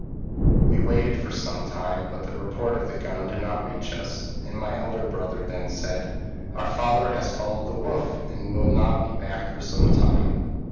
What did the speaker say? p> "We waited for some time, but the report of the gun did not reach us, and my elder brother then said, 'Our father has followed the wolf, and will not be back for some time.